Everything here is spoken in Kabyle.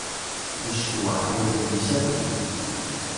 Di ccetwa, ḥemmlen-d yisaffen.